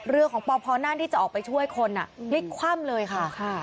เรือของปพนั่นที่จะออกไปช่วยคนพลิกคว่ำเลยค่ะ